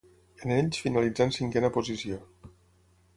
En ells finalitzà en cinquena posició.